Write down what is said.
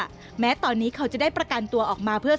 ทำไมเราต้องเป็นแบบเสียเงินอะไรขนาดนี้เวรกรรมอะไรนักหนา